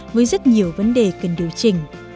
với rất nhiều vấn đề cần điều chỉnh